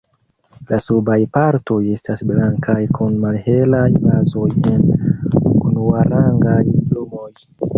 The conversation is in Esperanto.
La subaj partoj estas blankaj kun malhelaj bazoj en unuarangaj plumoj.